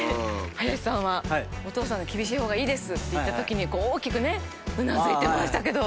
林さんは「お父さん厳しいほうがいいです」って言った時に大きくうなずいてましたけど。